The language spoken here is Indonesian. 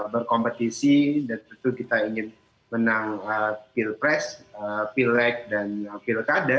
berkompetisi dan tentu kita ingin menang pilpres pilek dan pilkada